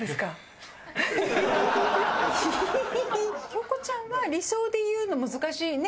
京子ちゃんは理想で言うの難しいね。